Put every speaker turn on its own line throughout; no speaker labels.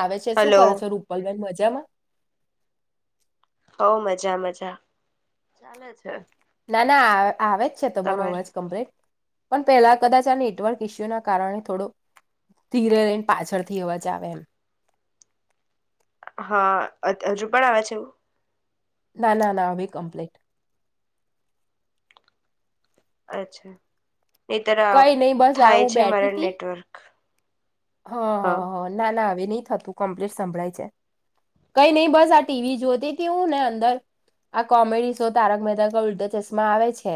આવે છે, શું
હલો
કરો છો રૂપલબેન મ જમાં?
હઉ મજા મજા, ચાલે છે.
અને આ આવે જ છે તમારો
તમારે
અવાજ કમ્પ્લીટ. પણ પહેલા કદાચ આ નેટવર્ક ઈસ્યુના કારણે થોડો ધીરે રઈન પાછળથી અવાજ આવે એમ.
હ હત હજુ પણ આવે છે એવું?
ના ના નાભી કમ્પ્લીટ.
અચ્છા. નઈ તર અ
કઈ નહી બસ આ
થાય છે મારા નેટવર્ક.
હ હ હ,
હા
ના ના આવે ની થતું કમ્પ્લીટ સંભળાય છે, કઈ નહી બસ આ ટી વી જોતી તી હું ને અંદર આ કોમેડી શો તારક મહેતા કા ઉલ્ટા ચશ્મા આવે છે,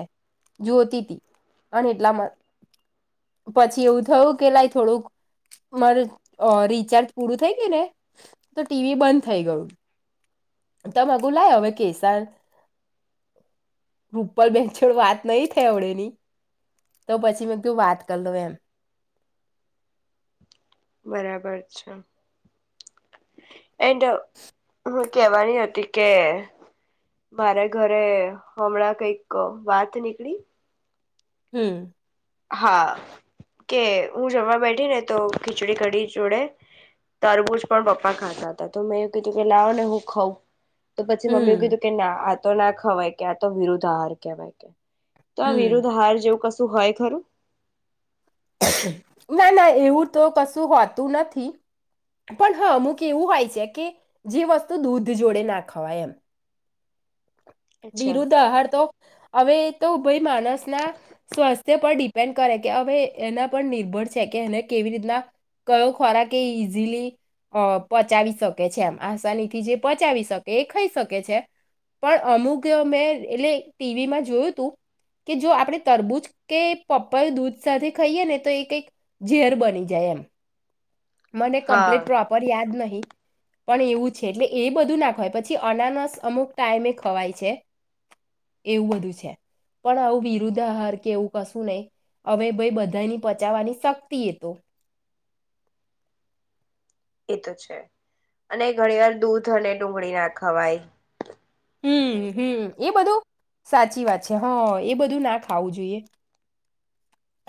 જોતી તી અને એટલામાં પછી એવું થયું કે લાય થોડુંક મારે અ રિચાર્જ પૂરું થઈ ગ્યું ને, તો ટીવી બંધ થઈ ગયું. તોમઘું લાય હવે કેસાર, રૂપલ બેન છોડ વાત નહી થઈ અડેની, તો પછી મેં કું વાત કર લઉ એમ.
બરાબર છે, એન્ડ હું કેવાની હતી કે, મારે ઘરે હમણાં કઈક વાત નીકળી
હમ્મ.
હા કે હું જવા બેઠી ને તો ખીચડી કડી જોડે તરબુજ પણ પપ્પા ખાતા હતા તો મેં એવું કીધું કે લાવ ને હું ખઉં તો પછી મમ્મી એ
હમ
કીધું કે ના આ તો ના ખવાય કે આ તો વિરુદ્ધ આહાર કેવાય કે. તો આ
હમ
વિરુદ્ધ આહાર જેવું કશું હોય ખરું
ના ના એવું તો કશું હોતું નથી પણ હા અમુક એવું હોય છે કે જે વસ્તુ દૂધ જોડે ના ખવાય એમ
અચ્છા
વિરુદ્ધ આહાર તો અવે તો ભય માણસના સ્વાસ્થ્ય પર ડિપેન્ડ કરે કે હવે ભાઈ એના પર નિર્ભર છે કે એને કેવી રીતના કયો ખોરાક એ ઈઝીલી પચાવી શકે છે એમ આસાનીથી જે પચાવી શકે એ ખઈ શકે છે પણ અમુક મેં એટલે ટીવીમાં જોયું તું કે જો આપણે તરબૂજ કે પપર દૂધ સાથે ખઈએ ને તો એ કઈક ઝેર બની જાય એમ મને
હા
કમ્પ્લીટ પ્રોપર યાદ નહી. પણ એવું છે એટલે એ બધું ના ખવાય પછી અનાનસ અમુક ટાઈમે ખવાય છે એવું બધું છે પણ આવું વિરુદ્ધ આહાર કે એવું કશું નહી હવે ભઈ બધાની પચાવવાની શક્તિ એ તો
એ તો છે અને ઘણી વાર દૂધ અને ડુંગળી ના ખવાય એવું
હમમ
બધું
હમમ એ બધું સાચી વાત છે હ અ એ બધું ના ખાવું જોઈએ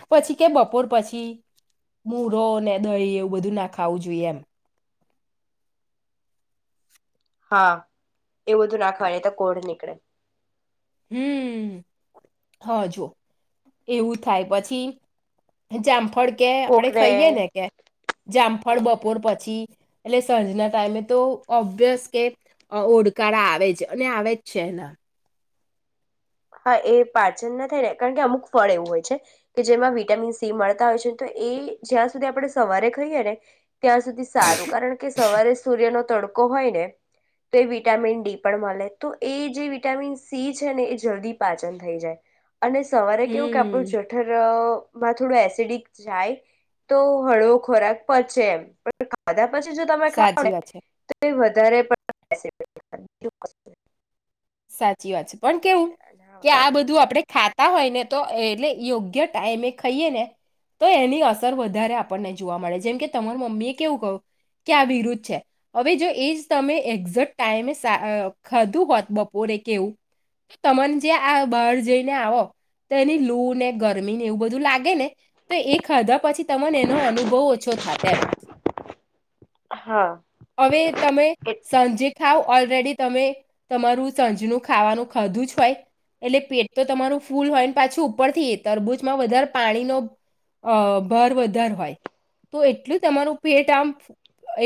પછી કે બપોર પછી મુરો ને દહી એવું બધું ના ખાવું જોઈએ એમ
હા એવું બધું ના ખાવ ની તો કોડ નીકળે.
હમમ હા જો એવું થાય પછી જામફળ કે આપડે
કોકને
ખઈએ ને કે જામફળ
હા
બપોર પછી એટલે સાંજના ટાઈમે તો ઓબ્વિયસ કે ઓળકાળ આવે જ અને આવે જ છે અલા
હા એ પાચન ના થાય ને કારણ કે અમુક ફળ એવું હોય છે કે જેમાં વિટામિન સી મળતા હોય છે તો એ જ્યાં સુધી આપણે સવારે ખઈએ ને ત્યાં સુધી સારું કારણ કે સવારે સૂર્ય નો તડકો હોય ને તો એ વિટામિન ડી પણ મળે તો એ જે વિટામિન સી છે ને જલ્દી પાચન થઈ જાય. અને સવારે કેવું કે આપણું
હમ
જઠર માં થોડું એસિડિક જાય તો હળવો ખોરાક પચે એમ પણ ખાધા પછી જો તમે ખાવ
સાચી
ને
વાત છે
તો એ વધ વધારે પણ [inaudible]
સાચી વાત છે. પણ કેવું કે આ
કારણ
બધું આપડે ખા કરતા હોય ને તો એટલે યોગ્ય ટાઈમે ખાઈએ ને તો એની અસર વધારે આપણને જોવા મળે જેમ કે તમાર મમ્મી એ કેવું કહ્યું કે આ વિરુદ્ધ છે હવે જો એ જ તમે એક્ઝેક્ટ ટાઈમે ખાધું હોત બોરે કેવું તમન જે આ બાર જઈને આવો તો એની લૂ ને ગરમી ને એવું બધું લાગે ને તો એ ખાધા પછી તમને એનો અનુભવ ઓછો થાય તેમ
હા
હવે તમે સાંજે ખાવ ઓલરેડી તમે તમારું સાજનું ખાવાનું ખાધું જ હોય એટલે પેટ તો તમારું ફૂલ હોય ને પાછું ઉપરથી એ તરબૂજમાં વધારે પાણીનો ભર વધારે હોય તો એટલું તમારું પેટ આમ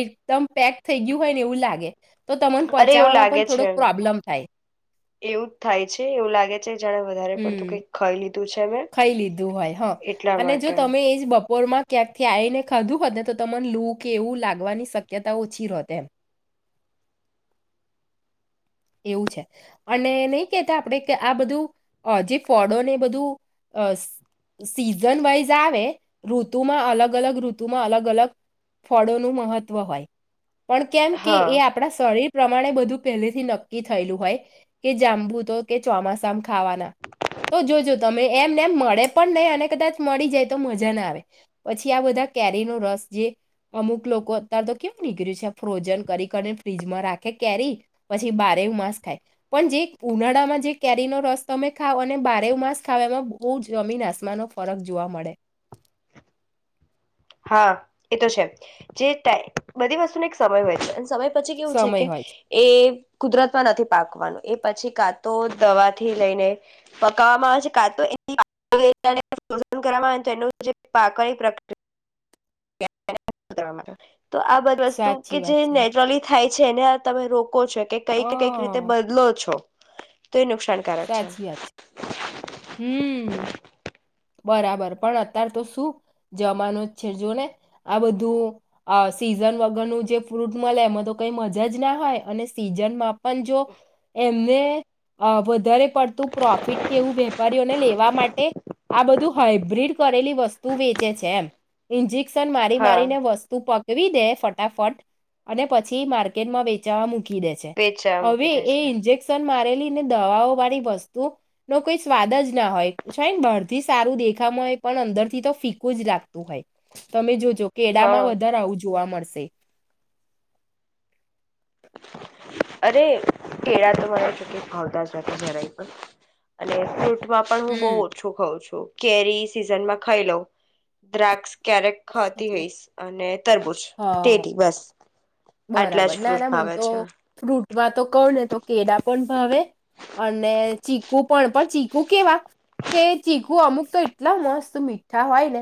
એકદમ પેક થઈ ગયું હોય ને એવું લાગે. તો તમન
અરે એવું
પોચાવામાં
લાગે
પણ
છે
થોડોક પ્રોબ્લમ
એવું જ થાય છે એવું લાગે છે જાણે વધારે પડતું કઈ ખઈ
ખય લીધું હોય હા અને જો
માટે
તમે એજ બપો બપોરમાં ક્યાંકથી આવી ને ખાધું હોત ને તો તમને લૂ કે એવું લાગવાની શક્યતા ઓછી રત એમ એવું છે અને નહી કેહેતા આપણે કે આ બધું અ જે ફળોને બધું સીઝન વાઈઝ આવે ઋતુમાં અલગ અલગ ઋતુમાં અલગ અલગ ફળોનું મહત્વ હોય. પણ કેમ કે
હા
એ આપણા શરીર પ્રમાણે બધું પહેલેથી નક્ નક્કી થયેલું હોય કે જંબુ તો કે ચોમાસામાં ખાવાના તો જોજો તમે એમને એમ મળે પણ નહી અને કદાચ મળી જાય તો મજા ના આવે પછી આ બધા કેરી નો રસ જે અમુક લોકો અત્યારે તો કેવું નીકળ્યું છે ફ્રોઝન કરી કરી ફ્રીજમાં રાખે કેરી પછી બ માસ ખાય પણ જે ઉનાળામાં જે કેરીનો રસ તમે ખાવ અને બારેવ માંસ ખાવ એમાં બહુ જમીન આસમાનો ફરક જોવા મળે
હા એ તો છે જે બધી વસ્તુને એક સમય હોય છે સમય પછી કેવું છે
સમય
કે
હોય
એ કુદરતમાં નથી પાકવાનું એ પછી કાતો દવાથી લઈને પકાવવામાં આવે છે કાતો એ કરવામાં આવે તેનું જે પાકળ પ્રક્રિયા [inaudible] તો આ બધી વસ્તુ
સાચી
કે
વાત
જે
છે
નેચરલી થાય છેને તમે રો કો છો કઈ
હ
કઈ રીતે બકલો છો તો નુકસાનકારક છે
હમ્મ બરાબર પણ અત્યારે તો શું જમાનું જ છે જો ને આ બધું અ સિઝન વગરનું જે ફ્રૂટ મળે એમાં તો કઈ મજા જ ના હોય અને સીઝનમાં પણ જો એમને વધારે પડતું પ્રોફિટ કે એવું વેપારીઓને લેવા માટે આ બધું હાઈબ્રિડ કરેલી વસ્તુ વેચે છે એમજ મારી મારી
હા
ને વસ્તુ પક જેવી દે ફટાફટ અને પછી માર્કેટમાં વેચાવા મૂક ડે છે
વેચવા
હવે
મૂકી દે
એ
છે
ઇન્જેક્શન મારે દવાઓ વાળી વસ્તુ નો કોઈ સ્વાદ જ ના હોયને ભ સારું દેખા પણ અંદર થી તો ફીકું જ લાગતું હોય તમે જો જો
હા
કેડામાં વધારે આવું જોવા મળશે [inaudible]
અરે કેળા તો જોકી મને ભાવતા જ નથી જરાય પણ અને પણ હું બહુ
હમ.
ઓછું ખઉં છું કેરી સિઝનમાં ખાઈ લો દ્રાક્ષ ક્યારેક ખતી હઈશ અને તરબૂજ
હા
ટેટી બસ આટલા
બરાબર
જ
ના
ફ્રૂટ
ના મને
ભાવે
તો
છે
ફ્રૂટવા તો ક ને તો કેળા પણ ભાવે અને ચીકુ પણ પણ ચીકુ કેવા કે ચીકુ અમુક તો એટલા મસ્ત મીઠા હોય ને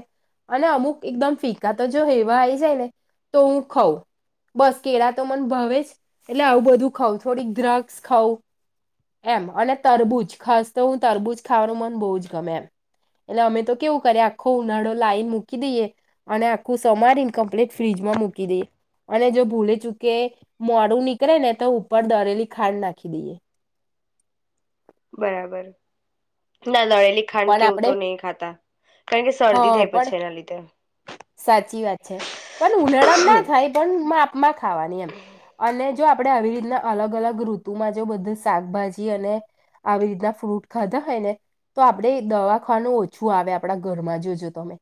અને અમુક એકદમ ફીકા તો જો હેવા આવીઈ જાય ને તો હું ખઉં બસ કેળા તો મ ભવે જ એટલે આવું બધું ખઉં થોડીક દ્રગ્સ ખઉં એમ અને તરબૂજ ખાસ તો હું તરબૂજ ખાવાનું મન બહુ જ ગમે એમ એટલે અમે તો કેવું કરીએ આખો ઉનાળો લાઈન મૂકી દઈએ અને આખું સમારે ઇનકમ્પ્લીટ ફ્રીજમાં મૂકી દઈએ અને જો ભૂલે ચૂકે મોડું નીકળે ને તો ઉપર દરેલી ખાંડ નાખી દઈએ
બરાબર ના દડેલી ખાંડ
પણ
કેવું તો
આપણે
નહીં ખાતા કારણ કે શરદી
હા
થાય
પણ
પછી એના લીધે
સાચી વાત છે પણ ઉનાળા ના થાય પણ માંપ મા ખાવાની એમ અને જો આપણેે આવી રીતના અલગ અલગ ઋતુમાં જો બધું શાકભાજી અને આવી રીતના ફ્રૂટ ખાધા હોય ને તો આપણેે દવા ખાવાનું ઓછું આવે આપણા ઘરમાં જોજો તમે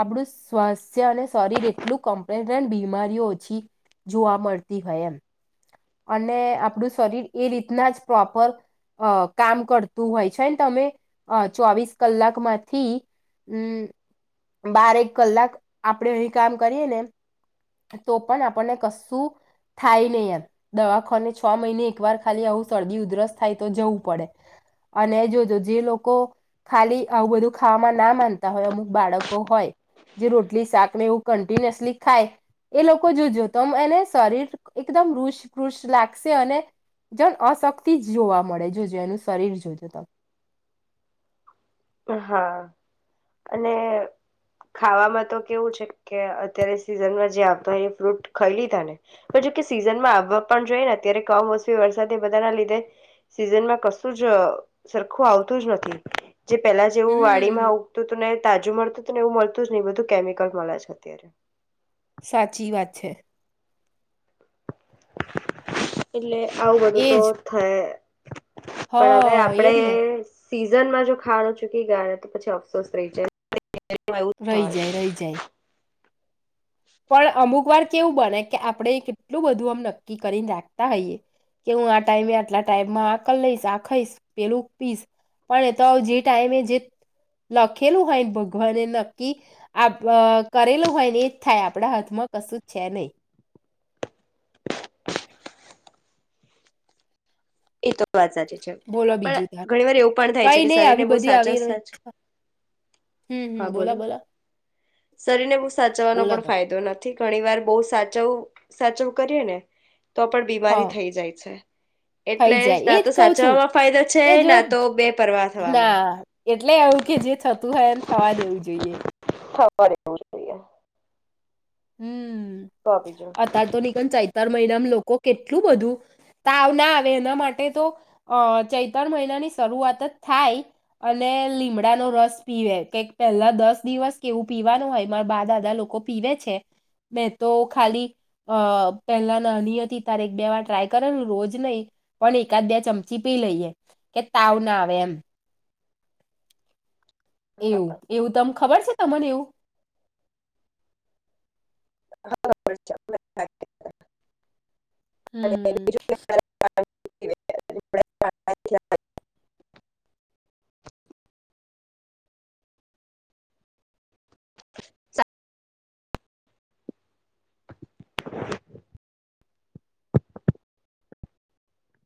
આપણું સ્વાસ્થ્ય અને શરીર એટલું કમ્પ્લેટ બીમારીઓ ઓછી જોવા મળતી હોય એમ અને આપણું શરીર એ રીતના જ પ્રોપર અ કામ કરતું હોય છેને તમે ચોવીસ કલાકમાંથી હમ્મ બારેક કલાક આપડે અહીં કામ કરીએ ને તો પણ આપણને કશું થાય નહી એમ દવાખાની છ મહિને એક વાર ખાલી આવું સરદી ઉધરસ થાય તો જવું પડે અને જોજ જે લોકો ખાલી આવું બધું ખાવામાં ના માનતા હોય અમુક બાળકો હોય જે રોટલી શાક ને એવું કન્ટિન્યુઅસલી ખાય એ લોકો જોજો ત એને શરીર એકદમ રુષ પુષ લાગશે અને જણ અશક્તિ જ જોવા મળે જોજો એનું શરીર જોજો ત
હા અને ખાવામાં તો કેવું છે કે અત્યારે સિઝનમાં જે આવતો હોય એ ફ્રૂટ ખાઈ લીધા ને જો કે સિઝનમાં આવવા પણ જોઈએ ને અત્યારે કમોસમી વરસાદ એ બધા ના લીધે સીઝનમાં કશું જ સરખું આવતું જ નથી જે પેલા જેવું વાડી
હમ
માં ઉગતું હતું ને તાજું મળતું ને એવું મળતું જ નહી બધું કેમિકલ મળે છે અત્યારે
સાચી વાત છે
એલે આવું બધું તો
એજ
થાય પણ હવે
હા
આપડે
એજ ને
સીઝનમાં જો ખાડો ચૂકી ગાય તો પછી અફસોસ રહી જાય
રહી
ઉથળ
જાય રહી જાય પણ અમુક વાર કેવું બને કે આપણે કેટલું બધું આમ નક્કી કરીને રાખતા હોઈયએ કે હું આ ટાઈમે આટલા ટાઈમમાં આક લઈશ આખાઈશ પેલું પીશ પણ એ તો જે ટાઈમે જે લખેલું હોયને ભગવાને નક્કી કરેલું હોય ને એ થાય આપણા [unintelligible] કશું છે નહી
એ તો વાત સાચી છે
બોલો
પણ
બીજું તાર
ઘણી વાર એવું પણ થાય
કઈ
છે કે
નહી
શરીરને
આવી
બહુ
બધી
સાચ જ
આવી રહી
સાચ હા બોલો શરીરને બહુ સાચવવાનો
બોલો
પણ
તમે
ફાયદો નથી થી ઘણી વાર બહ સાચવ સાચવ કરીએ ને તો પણ બીમારી
હા
થઈ જાય છે. એટલે
થઈ જાય
ના
એજ
તો
કહ છું
સાચવવામાં ફાયદો છે
કે જો
ના તો બે પરવા થવામાં.
ના એટલે એવું કે જે થતું હોય એમ થવા દેવું જોઈએ.
થવારીહીએ [unintelligible]
હમ.
બીજું
આ તો નની ચઈતાર મહિના કેટલું બધું, તાવ ના આવે એના માટે તો અ ચૈ ત્રણ મહિનાની શરૂઆત જ થાય, અને લીમડાનો રસ પીવે કેક પહેલા દસ દિવસ કેવું પીવાનું હોય મારા બા દાદા લોકો પીવે છે. મેં તો ખાલી અ પહેલા નાની હતી તારે એક બે વાર ટ્રાય કરેલ રોજ નહીં, પણ એકાદ બે ચમચી પી લઈએ, કે તાવ ના આવે એમ. એવું એવું તમ ખબર છે? તમાનેવ.
હા [unintelligible]
હમ્મ
[inaudible]